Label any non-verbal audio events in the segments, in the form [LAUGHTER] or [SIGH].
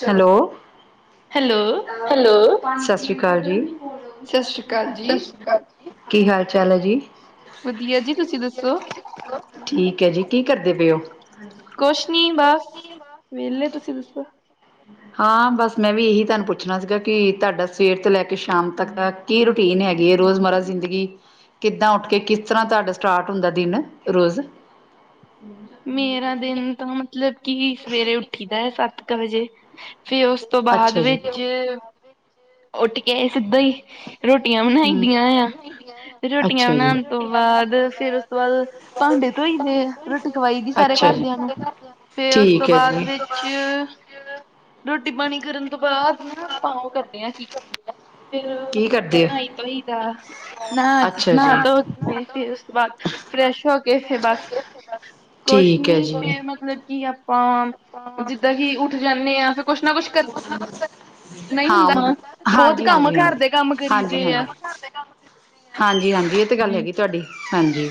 ਚਲੋ hello. Hello, ਸਤਿ ਸ੍ਰੀ ਅਕਾਲ ਜੀ, ਸਤਿ ਸ਼੍ਰੀ ਅਕਾਲ ਜੀ। ਸਤ ਸ਼੍ਰੀ ਅਕਾਲ। ਕੀ ਹਾਲ ਚਾਲ ਹੈ ਜੀ? ਵਧੀਆ, ਜੀ ਤੁਸੀਂ ਦੱਸੋ? ਠੀਕ ਹੈ ਜੀ, ਕੀ ਕਰਦੇ ਪਏ ਓ ਕੁਸ਼ ਨੀ ਬਸ ਵੇਹਲੇ ਤੁਸੀਂ ਦੱਸੋ ਹਾਂ, ਬਸ ਮੈਂ ਵੀ ਇਹੀ ਤੁਹਾਨੂੰ ਪੁੱਛਣਾ ਸੀਗਾ ਕਿ ਤੁਹਾਡਾ ਸਵੇਰ ਤੋਂ ਲੈ ਕੇ ਸ਼ਾਮ ਤੱਕ ਕੀ ਰੂਟੀਨ ਹੈਗੀ ਹੈ ਰੋਜ਼ ਮਰ੍ਰਾ ਜ਼ਿੰਦਗੀ ਕਿੱਦਾਂ ਉੱਠ ਕੇ ਕਿਸ ਤਰ੍ਹਾਂ ਤੁਹਾਡਾ ਸਟਾਰਟ ਹੁੰਦਾ ਦਿਨ ਰੋਜ਼ ਮੇਰਾ ਦਿਨ ਤਾਂ ਮਤਲਬ ਕੀ ਸਵੇਰੇ ਉੱਠੀ ਦਾ ਹੈ ਸੱਤ ਕੁ ਵਜੇ ਫਿਰ ਉਸ ਤੋਂ ਬਾਅਦ ਅੱਛਾ ਜੀ। ਵਿੱਚ ਉੱਠ ਕੇ ਆਏ ਸਿੱਧਾ ਹੀ ਰੋਟੀਆਂ ਬਣਾਈ ਦੀਆਂ ਆ ਤੇ ਰੋਟੀਆਂ ਅੱਛਾ ਜੀ। ਬਣਾਣ ਤੋਂ ਬਾਦ ਫੇਿਰ ਬਾਦ ਭਾਂਡੇ ਧੋਈ ਦੇ ਖਵਾਈ ਦੀ ਸਾਰੇ ਘਰਦਿਆਂ ਨੂੰ ਫੇਰ ਉਸ ਤੋਂ ਠੀਕ ਹੈ ਬਾਦ ਵਿੱਚ ਰੋਟੀ ਪਾਣੀ ਕਰਨ ਤੋਂ ਬਾਦ ਨਾ ਆਪਾਂ ਉਹ ਕਰਦੇ ਆਾਂ ਕੀ ਫੇਰ ਕੀ ਕਰਦੇ ਨ੍ਹਾ ਈ ਹੋ? ਧੋਈ ਦਾ ਨ੍ਹਾ ਅੱਛਾ ਨ੍ਹਾ ਧੋ ਕੇ ਫਿਰ ਬਸ ਫਰੈਸ਼ ਹੋ ਕੇ ਫੇ ਬਸ ਹਾਂ [UNINTELLIGIBLE] ਕੁਸ਼ ਨੀ ਫੇਰ ਮਤਲਬ ਕਿ ਆਪਾਂ ਜਿੱਦਾਂ ਕਿ ਉੱਠ ਜਾਂਦੇ ਹਾਂ ਫਿਰ ਕੁੱਛ ਨਾ ਕੁਛ ਕਰ ਹਾਂ, ਹਾਂਜੀ- ਬਹੁਤ ਹਾਂਜੀ ਕੰਮ -ਹਾਂਜੀ ਘਰ ਦੇ ਕੰਮ -ਹਾਂਜੀ- ਕਰੀ ਹਾਂਜੀ। ਦੇ ਆ ਹਾਂਜੀ- ਹਾਂਜੀ ਇਹ ਤੇ ਗੱਲ ਜੀ ਹੈਗੀ ਤੁਹਾਡੀ ਹਾਂਜੀ।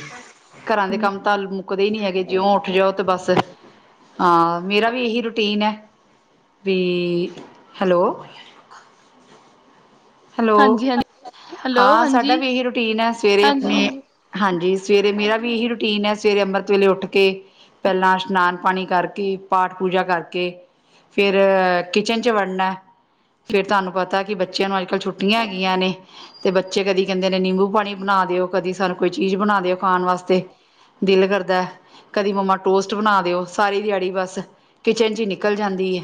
ਘਰਾਂ ਦੇ ਕੰਮ ਤਾਂ ਮੁੱਕਦੇ ਹੀ ਨੀ ਹੈਗੇ ਜਿਉਂ ਉੱਠ ਜਾਓ ਤੇ ਬਸ ਹਾਂ ਮੇਰਾ ਵੀ ਇਹੀ ਰੂਟੀਨ ਹੈ ਵੀ ਹੈਲੋ। ਹਾਂਜੀ ਹੈਲੋ, ਹਾਂਜੀ ਹੈਲੋ ਹਾਂ ਸਾਡਾ ਹਾਂਜੀ ਵੀ ਏਹੀ ਰੂਟੀਨ ਹੈ ਸਵੇਰੇ ਹਾਂਜੀ ਆਪਣੇ ਹਾਂਜੀ ਹਾਂਜੀ ਸਵੇਰੇ ਮੇਰਾ ਵੀ ਇਹੀ ਰੂਟੀਨ ਹੈ ਸਵੇਰੇ ਅੰਮ੍ਰਿਤ ਵੇਲੇ ਉੱਠ, ਕੇ ਪੈਲਾਂ ਇਸ਼ਨਾਨ ਪਾਣੀ ਕਰਕੇ, ਪਾਠ ਪੂਜਾ ਕਰਕੇ ਫੇਿਰ ਕਿਚਨ ਚ ਵੜਨਾ ਫੇਿਰ ਤੁਹਾਨੂੰ ਪਤਾ ਕਿ ਬੱਚਿਆਂ ਨੂੰ ਅਲ ਛੁੱਟੀਆਂ ਹੈਗੀਆਂ ਨੇ ਤੇ ਬੱਚੇ ਕਦੀ ਕੈਂਦੇ ਨੇ ਨਿੰਬੂ ਪਾਣੀ ਬਣਾ ਦਿਓ ਕਦੀ ਸਾਨੂੰ ਕੋਈ ਚੀਜ਼ ਬਣਾ ਦਿਓ ਖਾਣ ਵਾਸਤੇ ਦਿਲ ਕਰਦਾ ਕਦੀ ਮੰਮਾ ਟੋਸਟ ਬਣਾ ਦਿਓ ਸਾਰੀ ਦੇਆੜੀ ਬਸ ਕਿਚਨ ਚ ਹੀ ਨਿਕਲ ਜਾਂਦੀ ਹੈ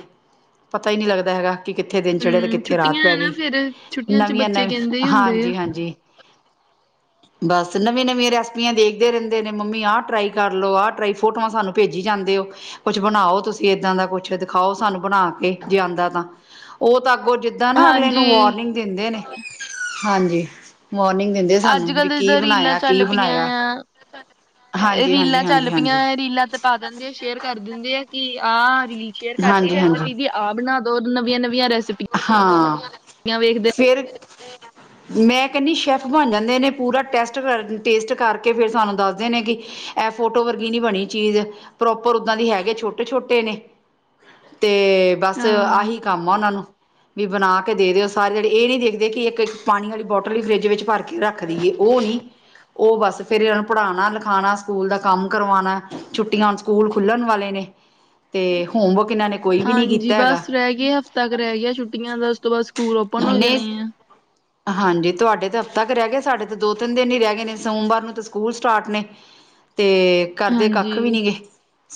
ਪਤਾ ਹੀ ਨੀ ਲੱਗਦਾ ਹੈਗਾ ਕਿ ਕਿੱਥੇ ਦਿਨ ਚੜਿਆ ਤੇ ਹਮ ਕਿੱਥੇ ਰਾਤ ਛੁੱਟੀਆਂ ਆ ਪੈ ਨਾ ਗਈ ਫੇਰ ਛੁੱਟੀਆਂ ਚ ਨਵੀਆਂ ਬੱਚੇ ਨਵ ਕਹਿੰਦੇ ਹੀ ਹੁੰਦੇ ਆ ਹਾਂਜੀ-ਹਾਂਜੀ। ਬਸ ਨਵੀਂ ਨਵੀਆਂ ਰੈਸਪੀਆਂ ਦੇਖਦੇ ਰਹਿੰਦੇ ਨੇ ਮੰਮੀ ਆਹ ਟਰਾਈ ਕਰ ਲਓ ਆਹ ਟਰਾਈ ਫੋਟੋਆਂ ਸਾਨੂੰ ਭੇਜੀ ਜਾਂਦੇ ਹੋ ਕੁਛ ਬਣਾਓ ਤੁਸੀਂ ਏਦਾਂ ਦਾ ਕੁਛ ਦਿਖਾਓ ਸਾਨੂੰ ਬਣਾ ਕੇ ਜੇ ਆਉਂਦਾ ਤਾਂ ਉਹ ਤਾਂ ਅੱਗੋਂ ਜਿੱਦਾਂ ਨਾ ਅਗਲੇ ਨੂੰ ਹਾਂਜੀ ਵਾਰਨਿੰਗ ਦਿੰਦੇ ਨੇ, ਹਾਂਜੀ ਵਾਰਨਿੰਗ ਦਿੰਦੇ ਅੱਜ ਸਾਨੂੰ ਕੱਲ ਵੀ ਤਾਂ ਕੀ ਜਿੱਦਾਂ ਰੀਲਾਂ ਬਣਾਇਆ ਕੀ ਚੱਲ ਪਈਆਂ ਬਣਾਇਆ ਆ ਹਾਂਜੀ-ਹਾਂਜੀ, ਰੀਲਾਂ ਚੱਲ ਹਾਂਜੀ-ਹਾਂਜੀ ਪਈਆਂ ਰੀਲਾਂ ਤੇ ਪਾ ਦਿੰਦੇ ਆ। ਸ਼ੇਅਰ ਕਰ ਦਿੰਦੀ ਆ, ਕਿ ਆਹ ਰੀਲ ਸ਼ੇਅਰ ਕਰਦੀ ਹਾਂਜੀ ਹਾਂਜੀ ਰੈਸਪੀ ਵੀ ਆਹਬਣਾ ਦੋ ਨਵੀਆਂ-ਨਵੀਆਂ ਰੈਸ ਹਾਂ, ਫਿਰ ਮੈਂ ਕਹਿੰਦੀ ਸ਼ੈੱਫ ਬਣ ਜਾਂਦੇ ਨੇ, ਪੂਰਾ ਟੈਸਟ ਕਰ ਟੇਸਟ ਕਰਕੇ ਫਿਰ ਸਾਨੂੰ ਦੱਸਦੇ ਨੇ ਕਿ ਇਹ ਫੋਟੋ ਵਰਗੀ ਨੀ ਬਣੀ ਚੀਜ਼ ਪ੍ਰੋਪਰ ਓਦਾਂ ਦੀ ਹੈਗੇ। ਛੋਟੇ- ਛੋਟੇ ਨੇ ਤੇ ਬਸ, ਹਾਂ ਆਹੀ ਕੰਮ ਆ। ਉਹਨਾਂ ਨੂੰ ਵੀ ਬਣਾ ਕੇ ਦੇ ਦਿਓ। ਸਾਰੇ ਜਣੇ ਇਹ ਨੀ ਦੇਖਦੇ ਕਿ ਇੱਕ ਪਾਣੀ ਵਾਲੀ ਬੋਟਲ ਵੀ ਫਰਿੱਜ ਵਿੱਚ ਭਰ ਕੇ ਰੱਖਦੀ ਏ। ਉਹ ਨੀ ਉਹ ਬਸ ਫੇਿਰ ਪੜ੍ਹਾਉਣਾ ਲਿਖਾਉਣਾ ਸਕੂਲ ਦਾ ਕੰਮ ਕਰਵਾਉਣਾ ਛੁੱਟੀਆਂ ਸਕੂਲ ਖੁੱਲਣ ਵਾਲੇ ਨੇ ਤੇ, ਹੋਮਵਕ ਇਹਨਾਂ ਨੇ ਕੋਈ ਵੀ ਨਹੀਂ ਹਾਂਜੀ, ਕੀਤਾ ਹੈਗਾ ਬਸ ਰਹਿ ਗਏ ਹਫ਼ਤਾ ਕ ਰਹਿ ਗਿਆ ਛੁੱਟੀਆਂ ਦਾ ਉਸ ਤੋਂ ਬਾਅਦ ਸਕੂਲ ਓਪਨ ਹੋ ਨੇ ਜਾਣੇ ਆ ਹਾਂਜੀ, ਤੁਹਾਡੇ ਤੇ ਹਫਤਾ ਕ ਰਹਿ ਗਿਆ ਸਾਡੇ ਤੇ ਦੋ ਤਿੰਨ ਦਿਨ ਹੀ ਰਹਿ ਗਏ ਨੇ ਸੋਮਵਾਰ ਨੂੰ ਤਾਂ ਸਕੂਲ ਸਟਾਟ ਨੇ ਤੇ ਕਰਦੇ ਕੱਖ ਹਾਂਜੀ ਵੀ ਨੀ ਗੇ।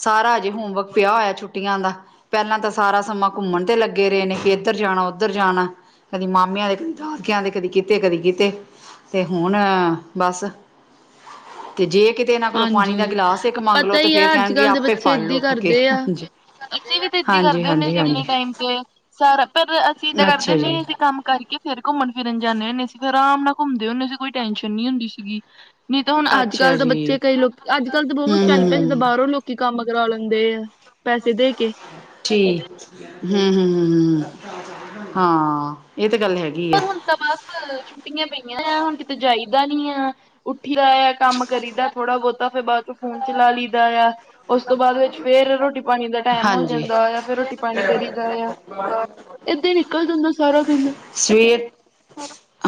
ਸਾਰਾ ਅਜੇ ਹੋਮਵਰਕ ਪਿਆ ਹੋਇਆ ਛੁੱਟੀਆਂ ਦਾ ਪਹਿਲਾਂ ਤਾਂ ਸਾਰਾ ਸਮਾਂ ਘੁੰਮਣ ਤੇ ਲੱਗੇ ਰਹਿੰਦੇ ਸੀ। ਇੱਧਰ ਜਾਣਾ ਉੱਧਰ ਜਾਣਾ ਕਦੀ ਮਾਮਿਆਂ ਦੇ ਕਦੀ ਦਾਦਕਿਆਂ ਦੇ ਕਦੀ ਕਿਤੇ ਕਦੀ ਕਿਤੇ ਤੇ, ਹੁਣ ਬਸ ਤੇ ਜੇ ਕਿਤੇ ਇਹਨਾਂ ਕੋਲੋਂ ਪਾਣੀ ਦਾ ਹਾਂਜੀ ਗਿਲਾਸ ਇੱਕ ਮੰਗਲੋ ਪਤਾ ਤੇ ਹੀ ਫੇਰ ਆ ਅੱਜ ਕਹਿਣਗੇ। ਕੱਲ ਦੇ ਆਪੇ ਬੱਚੇ ਫੜ ਲ ਏਦਾਂ ਹੀ ਉੱਠ ਕੇ ਕਰਦੇ ਆ ਅਸੀਂ ਵੀ ਤਾਂ ਏਦਾਂ ਹਾਂਜੀ ਹਾਂਜੀ ਕਰਦੇ ਹੁੰਦੇ ਹਾਂਜੀ ਸੀ। ਆਪਣੇ ਹਾਂਜੀ ਟਾਈਮ ਤੇ ਸਾਰਾ ਪਰ ਅਸੀਂ ਏਦਾਂ ਕਰਦੇ ਅੱਛਾ ਜੀ ਹੁੰਦੇ। ਅਸੀਂ ਕੰਮ ਕਰਕੇ ਫੇਿਰ ਘੁੰਮਣ ਫਿਰਨ ਜਾਂਦੇ ਹੁੰਦੇ ਸੀ। ਫਿਰ ਆਰਾਮ ਨਾਲ ਘੁੰਮਦੇ ਹੁੰਦੇ ਸੀ। ਕੋਈ ਟੈਂਨਸ਼ਨ ਨਹੀ ਹੁੰਦੀ ਸੀਗੀ ਨਹੀਂ ਤੇ, ਹੁਣੱ ਅੱਛਾ ਅਜ-ਕੱਲ ਤਾਂ ਜੀ ਬੱਚੇ ਕਈ ਲੋਕ ਅੱਜ-ਕੱਲ ਤਾਂ ਬਹੁਤ ਹਮ ਚੈਂਟ ਹੈ। ਜਿੱਦਾ ਹਮ ਬਾਹਰੋਂ ਲੋਕ ਕਿ ਕੰਮ ਕਰਾ ਲੈਂਦੇ ਆ। ਪੈਸੇ ਦੇ ਕੇ ਠੀਕ, ਹੂ-ਹੂ-ਹੂ- ਹਾਂ। ਇਹ ਤਾਂ ਗੱਲ ਹੈਗੀ ਆ ਪਰ ਹੁਣ ਤਾਂ, ਬਸ ਛੁੱਟੀਆਂ ਪਈਆਂ ਆ। ਹੁਣ ਕਿਤੇ ਜਾਈਦਾ ਨੀ ਆ ਉੱਠੀ ਦਾ ਆ ਕੰਮ ਕਰੀਦਾ, ਥੋੜਾ ਬਹੁਤਾ ਫਿਰ ਬਾਅਦ ਚੋਂ ਫੋਨ ਚਲਾ ਲਈਦਾ ਆ ਉਸ ਤੋਂ ਬਾਅਦ ਵਿੱਚ ਫੇਰ ਰੋਟੀ ਪਾਣੀ ਦਾ ਟਾਈਮ ਹੋ ਹਾਂਜੀ। ਜਾਂਦਾ ਆ। ਫਿਰ ਰੋਟੀ ਪਾਣੀ ਕਰੀਦਾ ਆ ਹ [UNINTELLIGIBLE] ਏਦਾਂ ਹੀ ਨਿਕਲ ਜਾਂਦਾ। ਸਾਰਾ ਦਿਨ ਸਵੇਰ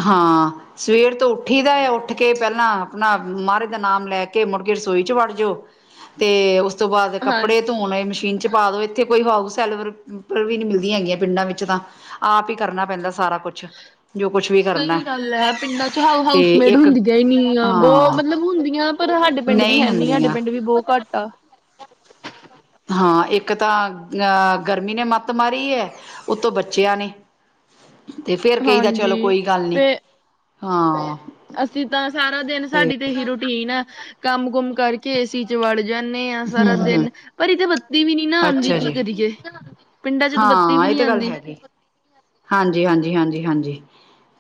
ਹਾਂ ਸਵੇਰ ਤੋਂ ਉੱਠੀ ਦਾ ਆ। ਉੱਠ ਕੇ ਪਹਿਲਾਂ ਆਪਣਾ ਮਹਾਰਾਜ ਦਾ ਨਾਮ ਲੈ ਕੇ ਮੁੜ ਕੇ ਰਸੋਈ ਚ ਵੜ ਜਾਓ ਤੇ, ਉਸ ਤੋਂ ਬਾਅਦ ਹਾਂਜੀ ਕੱਪੜੇ ਧੋਣੇ ਮਸ਼ੀਨ 'ਚ ਪਾ ਦਿਓ ਇੱਥੇ ਕੋਈ ਹਾਊਸ ਸੈਲਵਰ ਵੀ ਨੀ ਮਿਲਦੀਆਂ ਹੈਗੀਆਂ। ਪਿੰਡਾਂ ਵਿੱਚ ਤਾਂ ਆਪ ਹੀ ਕਰਨਾ ਪੈਂਦਾ, ਸਾਰਾ ਕੁਛ ਜੋ ਕੁਛ ਵੀ ਕਰਨਾ। ਸਹੀ ਗੱਲ ਹੈ। ਪਿੰਡਾਂ ਚ ਤੇ ਹਾਊਸਮੇਟ ਇੱਕ ਹੁੰਦੀਆਂ ਹੀ ਨ ਆ ਬਹੁਤ ਹਾਂ ਮਤਲਬ ਹੁੰਦੀਆਂ ਪਰ, ਸਾਡੇ ਪਿੰਡ ਵੀ ਨਹੀਂ ਹੈਨੀ ਸਾਡੇ ਹੁੰਦੀਆਂ ਪਿੰਡ ਵੀ ਬਹੁਤ ਘੱਟ ਆ ਹਾਂ, ਇੱਕ ਤਾਂ ਆਹ ਗਰਮੀ ਨੇ ਮੱਤ ਮਾਰੀ ਹੈ। ਉਹਤੋਂ ਬੱਚਿਆਂ ਨੇ ਤੇ ਫੇਰ ਕਹੀ ਦਾ ਹਾਂਜੀ ਚਲੋ, ਕੋਈ ਗੱਲ ਨੀ। ਫੇ ਹਾਂ ਅਸੀਂ ਤਾਂ ਸਾਰਾ ਦਿਨ ਸਾਡੀ ਤੇ ਹੀ ਰੂਟੀਨ ਆ ਕੰਮ ਕੁਮ ਕਰਕੇ ਏਸੀ ਚ ਵੜ ਜਾਂਦੇ ਹਾਂ। ਸਾਰਾ ਹਮ ਹਮ ਦਿਨ ਪਰ ਇਹ ਤੇ ਬੱਤੀ ਵੀ ਨੀ ਨਾ ਆਉਂਦੀ, ਅੱਛਾ ਕੀ ਜੀ ਕਰੀਏ ਪਿੰਡਾਂ 'ਚ ਤਾਂ ਬੱਤੀ ਵੀ ਹਾਂ ਇਹ ਨੀ ਤਾਂ ਗੱਲ ਆਉਂਦੀ ਹੈਗੀ ਹਾਂਜੀ -ਹਾਂਜੀ -ਹਾਂਜੀ -ਹਾਂਜੀ,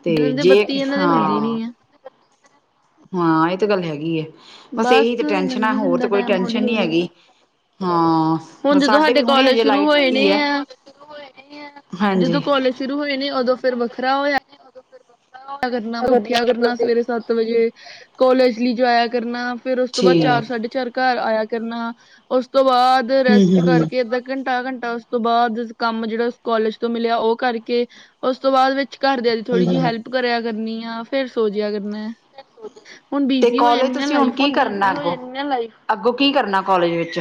ਤੇ ਦੇ ਜੇ ਬੱਤੀ ਇਹਨਾਂ ਦੇ ਹੁੰਦੀ ਹਾਂ ਨੀ ਆ ਹਾਂ ਇਹ ਤੇ ਗੱਲ ਹੈਗੀ ਹੈ, ਬਸ ਇਹੀ ਤੇ ਟੈਂਸ਼ਨਾਂ ਲੰਘੀ ਹੋਰ ਜਾਂਦਾ ਤਾਂ ਕੋਈ ਟਾਈਮ ਟੈਸ਼ਨ ਹੌਲੀ ਨਹੀਂ ਹੌਲੀ ਹੈਗੀ ਹਾਂ, ਬ ਹੁਣ ਜਦੋਂ ਸਾਡੇ ਵੀ ਹੁਣੇ ਕਾਲਜ ਹਜੇ ਸ਼ੁਰੂ ਲਾਈਟ ਹੋਏ ਨੇ ਆਈ ਹੈ। ਆ ਜਦੋਂ ਕੋਲਜ ਸ਼ੁਰੂ ਹੋਏ ਨੇ, ਓਦੋਂ ਫੇਰ ਵੱਖਰਾ ਹੋਇਆ ਕਰਨਾ, ਉੱਠਿਆ ਕਰਨਾ ਸਵੇਰੇ ਸੱਤ ਸਤ ਵਜੇ ਕੋਲਜ ਲਈ ਜਾਯਾ ਕਰਨਾ, ਫੇਰ ਉਸ ਤੋਂ ਬਾਦ ਠੀਕ, ਚਾਰ-ਸਾਢੇ ਚਾਰ ਘਰ ਆਇਆ ਕਰਨਾ, ਉਸ ਤੋਂ ਬਾਦ ਰੈਸਟ ਹੂੰ-ਹੂੰ, ਕਰਕੇ ਅਦਾਂ ਘੰਟਾ -ਘੰਟਾ ਉਸ ਤੋਂ ਬਾਦ ਕੰਮ ਜੇੜਾ ਕੋਲਜ ਤੋਂ ਮਿਲਿਆ ਓਹ ਕਰਕੇ, ਓਸ ਤੋਂ ਬਾਦ ਵਿੱ ਘਰਦਿਆਂ ਦੀ ਥੋੜ੍ਹੀ ਜਿਹੀ ਹੂੰ-ਹੂੰ। ਹੈਲਪ ਕਰਿਆ ਕਰਨੀ ਆ, ਫੇਰ ਸੋਜੀਆ ਕਰਨੈ। ਤੇ ਕੋਲੇਜ ਤੁਸੀਂ ਹੁਣ ਕੀ ਕਰ ਨਾ ਅੱਗੋਂ, ਅੱਗੋਂ ਕੀ ਕਰਨਾ ਕੋਲਜ ਵਿੱਚ?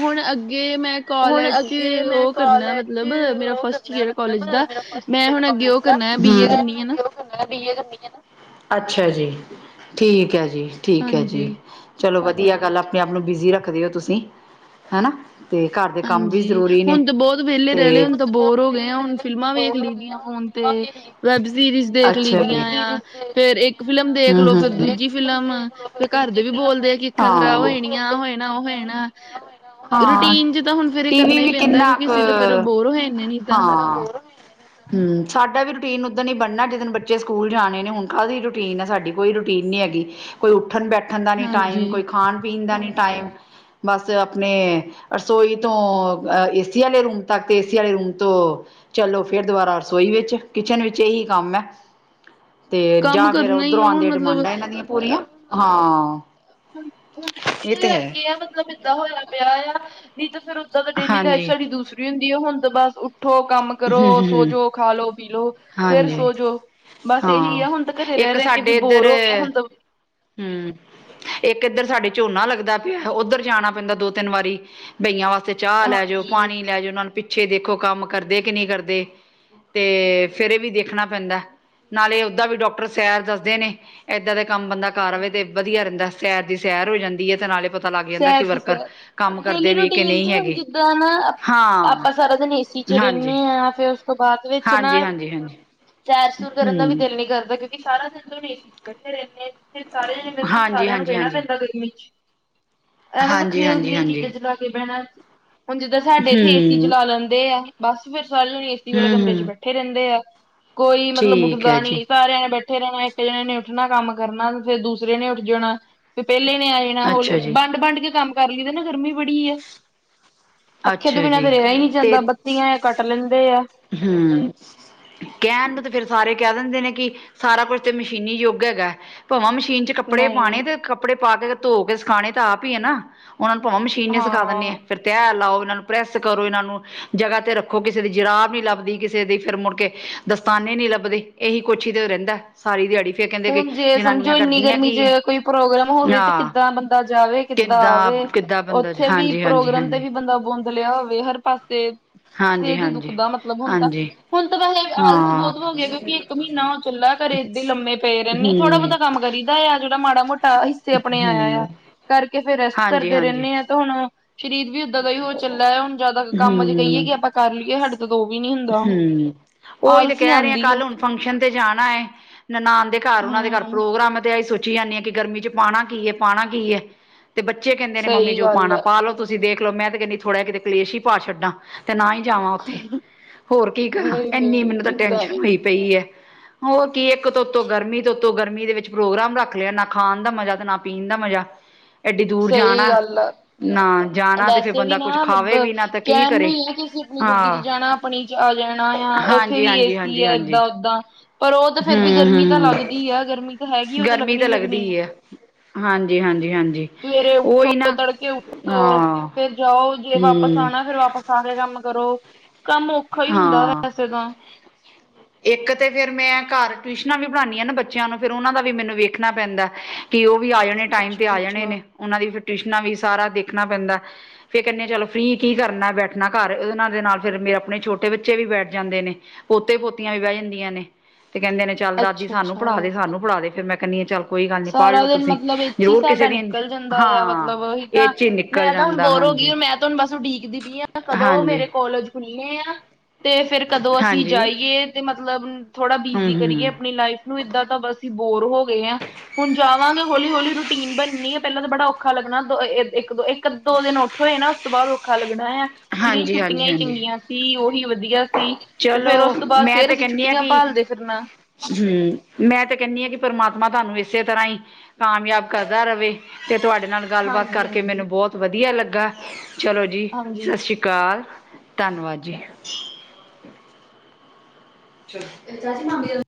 ਹੁਣ ਅੱਗੇ ਮੈਂ ਕੋਲਜ ਚ' ਓਹ ਕਰਨੈ ਮਤਲਬ, ਮੇਰਾ ਫਸਟ ਈਅਰ ਆ ਕੋਲਜ ਦਾ, ਮੈਂ ਹੁਣ ਅੱਗੇ ਓਹ ਕਰਨੈ, ਬੀਏ ਕਰਨੀ ਏ ਨਾ। ਅੱਛਾ ਜੀ, ਠੀਕ ਹੈ ਜੀ, ਠੀਕ ਹੈ ਜੀ। ਹਾਂਜੀ ਚਲੋ ਵਧੀਆ ਗੱਲ, ਅਪਣੇ ਆਪ ਨੂੰ ਬਿਜ਼ੀ ਰੱਖਦੇ ਹੋ ਤੁਸੀਂ, ਹਨਾ। ਤੇ ਘਰ ਦੇ ਕੰਮ ਵੀ ਹਾਂਜੀ, ਜ਼ਰੂਰੀ ਨੇ ਹੁਣ ਤਾਂ ਬੌਤ ਵੇਲੇ ਰੈ ਲਏ, ਹੁਣ ਤਾਂ ਬੋਰ ਹੋ ਗਏ ਆ, ਹੁਣ ਫਿਲਮਾਂ ਵੇਖ ਲਈ ਦੀਆਂ ਫੋਨ ਤੇ ਵੈਬ ਸੀਰੀਜ਼ ਦੇਖ ਅੱਛਾ ਜੀ। ਲੀਦੀਆਂ ਆਂ, ਫੇਰ ਏੱਕ ਫਿਲਮ ਹੂੰ ਹੂੰ ਦੇਖਲੋ, ਹੂੰ। ਫੇਰ ਦੂਜੀ ਫਿਲਮ ਫਿਰ ਘਰ ਦੇ ਵੀ ਬੋਲਦੇ ਆ, ਕਿ ਅੱਖਾਂ ਹਾਂ। ਖ਼ਰਾਬ ਹੋ ਜਾਣੀਆਂ, ਆਹ ਹੋ ਜਾਣਾ, ਓਹ ਹੋ ਜਾਣੈ। ਹਾਂ, ਟੀਵੀ ਵੀ ਪੈਂਦਾ ਕਿੰਨਾ ਕਿਉਂਕਿ ਅਸੀਂ ਤਾਂ ਫੇਰ ਬੋਰ ਹੋ ਜਾਂਦੇ ਨਹੀਂ ਤਾਂ ਕ--ਹਾਂ। ਹੂੰ, ਸਾਡਾ ਵੀ ਰੂਟੀਨ ਉੱਦਣ ਹੀ ਬਣਨੈ ਜਿੱਦਨ ਬੱਚੇ ਸਕੂਲ ਜਾਣੇ ਨੇ, ਹੁਣ ਕਾਹਦੀ ਰੂਟੀਨ ਐ ਸਾਡੀ। ਕੋਈ ਰੂਟੀਨ ਨ੍ਹੀਂ ਹੈਗੀ, ਕੋਈ ਉੱਠਣ ਬੈਠ ਠਣ ਦਾ ਨੀ ਟਾਈਮ, ਹਾਂਜੀ ਕੋਈ ਖਾਣ-ਪੀਣ ਦਾ ਨੀ ਟਾਈਮ, ਬਸ ਅਪਣੇ ਰਸੋਈ ਤੋਂ ਅ ਏਸੀ ਆਲੇ ਰੂਮ ਤੱਕ, ਤੇ ਏਸੀ ਆਲੇ ਰੂਮ ਤੋਂ ਚਲੋ ਫੇਰ ਦੁਬਾਰਾ ਰਸੋਈ ਵਿੱਚ, ਕਿਚਨ ਵਿੱਚ, ਏਹੀ ਕੰਮ ਐ। ਤੇ ਕੰਮ ਜਾਂ ਫੇਰ ਕਰਨਾ ਹੀ ਓਧਰੋਂ ਆ ਹੁਣ ਆੰਦੀਐ ਮਤਲਬ ਡਿਮਾਂਡਾਂ ਇਹਨਾਂ ਦੀਆਂ ਪੂਰੀਆਂ, ਹਾਂ। ਹੁਣ ਹੁਣ ਤੇ ਇਹ ਛੁੱਟੀਆਂ ਹੈ ਕਰਕੇ ਆ, ਮਤਲਬ ਏਦਾਂ ਹੋਯਾ ਪਿਆ ਆ। ਨਹੀਂ ਤਾਂ ਫਿਰ ਉਦਾਂ ਤਾਂ ਡੇਲੀ ਲਾਈਫ ਹਾਂਜੀ ਸਾਡੀ ਦੂਸਰੀ ਹੁੰਦੀ ਏ, ਹੁਣ ਤਾਂ ਬਸ ਉੱਠੋ ਕੰਮ ਕਰੋ, ਹਮ ਹਮ ਸੋਜੋ, ਖਾਲੋ, ਪੀਲੋੋ, ਫੇਰ ਹਾਂਜੀ ਸੋਜੋ। ਬਸ ਏਹੀ ਹਾਂ ਆ, ਹੁਣ ਤਾਂ ਘਰੇ ਰੈ ਇੱਕ ਰੈ ਕੇ ਵੀ ਬੋਰ ਹੋ ਗਿਆ, ਹੁਣ ਤਾਂ ਹੂੰ। ਇੱਕ ਏੱਧਰ ਸਾਡੇ ਝੋਨਾ ਲੱਗਦਾ ਪਿਆ ਓਧਰ ਜਾਣਾ ਪੈਂਦਾ ਦੋ ਤਿੰਨ ਵਾਰੀ, ਬਈਆਂ ਵਾਸਤੇ ਚਾਹ ਲੈ ਜਾਓ ਹਾਂਜੀ ਪਾਣੀ ਲੈ ਜੋ, ਉਨਾਂ ਨੂੰ ਪਿੱਛੇ ਦੇਖੋ ਕੰਮ ਕਰਦੇ ਕਿ ਨਹੀਂ ਕਰਦੇ। ਤੇ ਫਿਰ ਏਹ ਵੀ ਦੇਖਣਾ ਪੈਂਦੈ, ਨਾਲੇ ਓਦਾਂ ਵੀ ਡੋਕਟਰ ਸੈਰ ਦੱਸਦੇ ਨੇ। ਏਦਾਂ ਦੇ ਕੰਮ ਬੰਦਾ ਕਰ ਆਵੇ ਤੇ ਵਧੀਆ ਰੈੰਦਾ, ਸੈਰ ਦੀ ਸੈਰ ਹੋ ਜਾਂਦੀ ਐ, ਤੇ ਨਾਲੇ ਲੱਗ ਜਾਂਦਾ ਸੈਰ ਕਿ ਦੀ ਵਰਕਰ ਸੈਰ, ਕੰਮ ਕਰਦੇ ਡੇਲੀ ਵੀ ਕਿ ਰੂਟੀਨ 'ਚ ਨਹੀਂ ਹੁਣ ਹੈਗੇ ਜਿੱਦਾਂ ਨਾ ਅ ਹਾਂ ਅਪਾਂ ਸਾਰਾ ਦਿਨ ਏ ਸੀ ਚ' ਹਾਂਜੀ ਰੇਨੇ ਆ, ਫੇਰ ਓਸ ਤੋਂ ਬਾਦ ਵਿੱਚ ਨਾ ਹਾਂਜੀ ਹਾਂਜੀ ਹਾਂਜੀ ਸੈਰ ਸੁਰ ਕਰਨ ਦਾ ਵੀ ਹਮ ਦੇਲ ਨੀ ਕਰਦਾ, ਕਿਉਂਕਿ ਸਾਰਾ ਦਿਨ ਤੋਂ ਹੋਣ ਏਸੀ 'ਚ ਬੈਠੇ ਰੈੰਣੇ ਆ। ਫਿਰ ਸਾਰੇ ਜਣੇ ਬੈਂਦੇ ਹਾਂਜੀ ਸਾਰਿਆਂ ਨੂੰ ਹਾਂਜੀ ਵੈਣਾ ਹਾਂਜੀ ਪੈਂਦਾ ਗਰਮੀ 'ਚ, ਐਵੇਂ ਹਾਂਜੀ ਵੱਖਰੀਆਂ ਹਾਂਜੀ ਵੱਖਰੀਆਂ ਹਾਂਜੀ ਚੀਜ਼ਾਂ ਚਲਾ ਕੇ ਬੈਣੈ ਹੁਣ ਜਿੱਦਾਂ ਸਾਡੇ ਏਥੇ ਏਸੀ ਹੂੰ ਚਲਾ ਲੈਂਦੇ ਆ, ਬਸ ਫਿਰ ਸਾਰੀ ਜਾਣੇ ਏ ਸੀ ਵਾਲੇ ਹੂੰ ਕਮਰੇ 'ਚ ਹੂੰ ਬੈਠੇ ਰੈੰਦੇ ਆ, ਕੋਈ ਮਤਲਬ ਠੀਕ ਹੈ ਉੱਠਦਾ ਜੀ ਨੀ, ਸਾਰੇ ਐਵੇ ਬੈਠੇ ਉੱਠੇ ਰੈਣਾ, ਇੱਕ ਜਣੇ ਨੇ ਉੱਠਣਾ ਕੰਮ ਕਰਨਾ, ਫੇਰ ਦੂਸਰੇ ਨੇ ਉੱਠ ਜਾਣਾ ਫਿ ਪੈਲੇ ਨੇ ਆ ਜਾਣਾ ਹੋਲੀ ਅ ਅੱਛਾ ਜੀ ਵੰਡ-ਵੰਡ ਕੇ ਕੰਮ ਕਰ ਲਈਦੈ ਨਾ, ਗਰਮੀ ਬੜੀ ਐ। ਪੱਖੇ ਤੋਂ ਅੱਛਾ ਬਿਨਾਂ ਜੀ ਤਾਂ ਰਿਹਾ ਹੀ ਨੀ ਤੇ ਜਾਂਦਾ, ਬੱਤੀਆਂ ਐ ਕੱਟ ਲੈਂਦੇ ਆ। ਹੂੰ। ਕੈਣ ਨੂੰ ਤੇ ਫਿਰ ਸਾਰੇ ਕੈ ਦਿੰਦੇ ਨੇ ਕਿ, ਸਾਰਾ ਕੁਛ ਤੇ ਮਸ਼ੀਨੀ ਯੂਗ ਹੈਗੈ। ਭਵਾਂ ਮਸ਼ੀਨ 'ਚ ਕੱਪੜੇ ਪਾਣੇ ਨਹੀਂ ਤੇ ਕੱਪੜੇ ਪਾ ਕੇ, ਧੋ ਕੇ ਸਿਖਾਣੇ ਤਾਂ ਆਪ ਈ ਐ ਨਾ। ਉਨਾਂ ਨੂੰ ਭੋਂ ਮਸ਼ੀਨ ਨੇ ਹਾਂ ਸਿਖਾਂ ਦਿੰਣੇ ਆਂ, ਫੈਰ। ਤੈਅ ਲਾਓ, ਇਹਨਾਂ ਨੂੰ ਪ੍ਰੈੱਸ ਕਰੋ, ਇਹਨਾਂ ਨੂੰ ਜਗ੍ਹਾ ਤੇ ਰੱਖੋ, ਕਿਸੇ ਦੀ ਜਰਾਬ ਨੀ ਲੱਭਦੀ ਕਿਸੇ ਦੀ, ਫਿਰ ਮੁੜ ਕੇ ਦਸਤਾਨੇ ਨੀ ਲੱਭਦੇ, ਏਹੀ ਕੁਛ ਹੀ ਤੇ ਰੈੰਦੈ ਸਾਰੀ ਦਿਹਾੜੀ। ਫੇਰ ਕਹਿੰਦੇ ਕਿ ਹੁਣ ਜੇ ਸਮਝੋ ਜਨਾਨੀਆਂ ਇੰਨੀ ਕਰਦੀਆਂ ਗਰਮੀ 'ਚ ਕੀ ਕੋਈ ਪ੍ਰੋਗਰਾਮ ਹੋਵੇ, ਤੇ ਆ ਕਿੱਦਾਂ ਬੰਦਾ ਜਾਵੇ? ਕਿੱਦਾਂ ਆਵੇ? ਕਿੱਦਾਂ ਬੰਦਾ ਓਥੇ ਵੀ ਹਾਂਜੀ ਹਾਂਜੀ ਪ੍ਰੋਗਰਾਮ ਤੇ ਹਾਂਜੀ ਵੀ ਬੰਦਾ ਬੋੰਦ ਤਲਿਆ ਹੋਵੇ ਹਰ ਪਾਸੇ, ਹਾਂਜੀ ਸਿਰ ਹੀ ਹਾਂਜੀ ਦੁੱਖਦਾ ਮਤਲਬ ਹੁਣ ਤਾਂ। ਹਾਂਜੀ ਹੁਣ ਤਾਂ ਵੈਸੇ ਆਲਸ ਹਾਂ ਬਹੁਤ ਹੋ ਗਿਆ, ਕਿਉਂਕਿ ਇੱਕ ਮਹੀਨਾ ਉਹ ਚੱਲਲਾ ਘਰੇ ਇਦਾ ਲੰਮੇ ਫਿਰ ਥੋੜਾ ਬਹੁਤਾ ਹਮ ਕੰਮ ਕਰੀਦਾ ਆ, ਜਿਹੜਾ ਮਾੜਾ ਮੋਟਾ ਅ ਆਪਣੇ ਆਇਆ ਆ, ਹਮ ਕਰਕੇ ਫੇਿਰ ਰੈਸਟ ਹਾਂਜੀ ਕਰਦੇ ਹਾਂਜੀ ਰਹਿੰਦੇ ਆਾਂ ਤੇ ਹੁਣ ਸ਼ਰੀਰ ਵਿਦਾ ਦਾ ਹੀ ਹੋ ਚੱਲਲਾ ਹੁਣ ਜਿਆਦਾ ਕੰਮ ਅਜੇ ਕਹੀਏ, ਹਮ ਕਿ ਆਪਾਂ ਕਰ ਲਈਏ ਸਾਡੇ ਤਾਂ ਦ ਉਹ ਵੀ ਨੀ ਹੁੰਦਾ। ਹਮ ਉਹੀ ਤੇ ਆਲਸੀ ਕਹਿ ਰਹੇ ਆ ਆਉਂਦੀ ਹੈ। ਕੱਲ ਹੁਣ ਫੰਕਸ਼ਨ ਤੇ ਜਾਣਾ ਹੈ ਨਨਾਾਨ ਦੇ ਘਰ, ਉਹਨਾਂ ਦੇ ਘਰ ਹੂੰ ਪ੍ਰੋਗਰਾਮ ਤੇ ਇਹ ਹੀ ਸੋਚਾ ਪੁੀ ਜਾਂਦੀ ਹ ਕਿ ਗਰਮੀ ਚ' ਪਾਉਣਾ ਕੀ ਹੈ, ਪਾਉਣਾ ਕੀ ਹੈਏ, ਤੇ ਬੱਚੇ ਕਹਿੰਦੇ ਨੇ ਮੰਮੀ ਸਹੀ ਜੋ ਗੱਲ ਪਾਉਣਾ ਆ ਪਾ ਲੋ। ਤੁਸੀ ਦੇਖ ਲੋ, ਮੈਂ ਤੇ ਕਹਿੰਦੀ ਥੋੜਾ ਕਿਤੇ ਕਲੇਸ਼ ਹੀ ਭਅ ਛੱਡਾਂ। ਤੇ ਨਾ ਹੀ ਜਾਵਾਂ ਉੱਥੇ, ਹੋਰ ਕੀ ਕਰਾਂ, ਨਹੀਂ ਇਨੀ ਨਹੀਂ ਮੈਨੂੰ ਤਾਂ ਏਦਾਂ ਟੈਸ਼ਨ ਨੀ ਹੋਈ ਪਈ ਹੈ। ਹੋਰ ਕੀ ਇੱਕ ਦੀ ੳਤੋਂ ਗਰਮੀ, ੳਤੋਂ ਗਰਮੀ ਦੇ ਵਿੱਚ ਪ੍ਰੋਗਰਾਮ ਰੱਖ ਲਿਆ ਨਾ ਖਾਣ ਦਾ ਮਜ਼ਾ, ਤੇ ਨਾ ਪੀਣ ਦਾ ਮਜਾ। ਅਡੀ ਦੂਰ ਸਹੀ ਜਾਣਾ, ਗੱਲ ਆ ਨਾ ਜਾਣਾ ਤੇ ਫਿਰ ਵੈਸੇ ਵੀ ਬੰਦਾ ਕੁੱਝ ਨਾ ਖਾਵੇ ਵੀ ਨਾ ਤਾਂ ਕੀ ਕਹਿਣ ਨੂੰ ਕਰੇ। ਹੀ ਹੈ ਕਿ, ਅਸੀਂ ਆਪਣੀ ਗੱਡੀ 'ਚ ਹਾਂ ਜਾਣਾ ਆਪਣੀ ਆ ਜਾਣਾ ਆ, ਉੱਥੇ ਹਾਂਜੀ ਵੀ ਹਾਂਜੀ ਏਸੀ ਹਾਂਜੀ ਹੈ ਹਾਂਜੀ ਇਏਦਾਂ ਉਦਾਂ, ਪਰ ਉਹ ਤਾਂ ਫੇਰ ਹੂੰ ਵੀ ਹੂੰ ਗਰਮੀ ਤਾਂ ਹੂੰ। ਲੱਗਦੀ ਹੈ ਗਰਮੀ ਤਾਂ ਹੈਗੀ, ਉਹ ਤਾਂ ਗਰਮੀ ਲੱਗਣੀ ਹੀ ਲੱਗਦੀ ਲੱਗਣੀ ਆ। ਹੈ ਹਾਂਜੀ, ਹਾਂਜੀ, ਹਾਂਜੀ ਸਵੇਰੇ ਉੱਠੋ, ਉਹੀ ਨਾ ਤੜਕੇ ਉੱਠੋ, ਹਾਂ। ਫੇਰ ਜਾਓ ਜੇ ਵਾਪਸ ਹੂੰ ਆਉਣਾ, ਫੇਿਰ ਵਾਪਸ ਵਾਪਸ ਆ ਕੇ ਕੰਮ ਕਰੋ, ਕੰਮ ਔਖਾ ਹੀ ਹੁੰਦਾ ਹਾਂ ਵੈਸੇ ਤਾਂ। ਇੱਕ ਤੇ ਫੇਿਰ ਮੈਂ ਘਰ ਟਿਊਸ਼ਨਾਂ ਵੀ ਪੜ੍ਹਾਦੀ ਹ ਨਾ ਬੱਚਿਆਂ ਨੂੰ, ਫਿਰ ਉਹਨਾਂ ਦਾ ਵੀ ਮੈਨੂੰ ਵੇਖਣਾ ਪੈਂਦਾ ਹ। ਕਿ ਉਹ ਵੀ ਆ ਜਾਣੇ ਟਾਈਮ ਤੇ ਆ ਜਾਣੇ ਅੱਛਾ ਨੇ, ਉਹਨਾਂ ਦੀ ਫ ਟਿਊਸ਼ਨਾਂ ਵੀ ਸਾਰਾ ਦੇਖਣਾ ਪੈਂਦਾ ਹੈ। ਫਿਰ ਕਹਿੰਦੇ ਹਾਂ ਚੱਲੋ ਫਰੀ ਕੀ ਕਰਨਾ ਬੈਠਣਾ ਘਰ, ਉਹਦੇ ਨਾਲ ਦੇ ਨਾਲ ਫ਼ਿਰ ਮੇਰੇ ਆਪਣੇ ਛੋਟੇ ਬੱਚੇ ਵੀ ਬੈਠ ਜਾਂਦੇ ਨੇ, ਪੋਤੇ ਪੋਤੀਆਂ ਵੀ ਬਹਿ ਜਾਂਦੀਆਂ ਨੇ ਤੇ ਕਹਿੰਦੇ ਨੇ ਚੱਲ ਦਾਦੀ ਅੱਛਾ ਸਾਨੂੰ ਪੜਾ ਅੱਛਾ ਦੇ ਸਾਨੂੰ ਪੜਾ ਦੇ, ਫਿਰ ਮੈਂ ਕਹਿੰਦੀ ਆ ਚੱਲ ਕੋਈ ਗੱਲ ਨੀ ਪੜ ਲੋ ਸਾਰਾ ਦਿਨ ਤੁਸੀਂ, ਮਤਲਬ ਇਹ 'ਚ ਹੀ ਜਰੂਰ ਕਿਸੇ ਸਾਡਾ ਦੀ ਨਿਕਲ ਜਾਂਦਾ ਆ ਹਾਂ ਮਤਲਬ ਉਹੀ ਇਹ ਤਾਂ 'ਚ, ਹੀ ਹਾਂ ਮੈਂ ਤਾਂ ਹੁਣ ਬੋਰ ਹੋ ਗਈ ਮੈਂ ਤਾਂ ਹੁਣ ਬਸ ਉਡੀਕਦੀ ਪਈ ਹਾਂ, ਕਦੋਂ ਹਾਂਜੀ ਮੇਰੇ ਕੋਲਜ ਖੁਲਣੇ ਹ ਤੇ ਫੇਰ ਕਦੋਂ ਅਸੀਂ ਹਾਂਜੀ ਜਾਈਏ, ਤੇ ਮਤਲਬ ਥੋੜ੍ਹਾ ਹਮ ਬਿਜੀੀ ਕਰੀਏ ਹਮ ਆਪਣੀ ਲਾਈਫ ਨੂੰ, ਇਏਦਾਂ ਤਾਂ ਬਸੀ ਹੀ ਬੋਰ ਹੋ ਗਏ ਹ। ਹੁਣ ਜਾਵਾਂਗੇ ਹੌਲੀ ਹੌਲੀ ਰੂਟੀਨ ਬਣਨੀ ਹੈ, ਪਹਿਲਾਂ ਤਾਂ ਬੜਾ ਔਖਾ ਲੱਗਣਾ ਇਕ ਦੋ ਇੱਕ ਦੋ ਦਿਨ ਉੱਠੋ ਹੋਏ ਨਾ ਉਸ ਤੋਂ ਬਾਅਦ ਔਖਾ ਲੱਗਣਾ ਆ, ਕਿ ਨਹੀਂ ਹਾਂਜੀ ਛੁਟੀਆਂ ਹਾਂਜੀ ਹੀ ਹਾਂਜੀ ਚੰਗੀਆਂ ਸੀ ਉਹੀ ਵਧੀਆ ਤੇ ਫੇਰ ਚਲੋ ਉਸ ਤੋਂ ਬਾਅਦ, ਮੈਂ ਫੇਰ ਤੇ ਅਸੀਂ ਕਹਿੰਦੀ ਹਾਂ ਛੁੱਟੀਆਂ ਕਿ ਭਾਲਦੇ ਫਿਰਨਾ। ਹਮ, ਮੈਂ ਤੇ ਕਹਿੰਦੀ ਹਾਂ ਕਿ ਪਰਮਾਤਮਾ ਤੁਹਾਨੂੰ ਇਸੇ ਤਰ੍ਹਾਂ ਹੀ ਕਾਮਯਾਬ ਕਰਦਾ ਰਹੇ, ਤੇ ਤੁਹਾਡੇ ਨਾਲ ਗੱਲਬਾਤ ਕਰਕੇ ਹਾਂਜੀ-ਹਾਂਜੀ, ਹਾਂਜੀ। ਮੈਨੂੰ ਬਹੁਤ ਵਧੀਆ ਲੱਗਾ, ਚਲੋ ਜੀ ਹਾਂਜੀ ਸਤਿ ਸ਼੍ਰੀ ਅਕਾਲ ਅਕਾਲ, ਧੰਨਵਾਦ ਜੀ। ਮ।